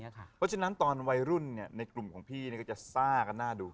เพราะฉะนั้นตอนวัยรุ่นในกลุ่มของพี่ก็จะซ่ากันหน้าดู